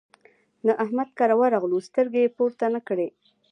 د احمد کره ورغلو؛ سترګې يې پورته نه کړې.